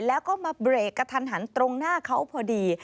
แล้วก็มาเบรกกระทันหันตรงหน้าเขาพอดี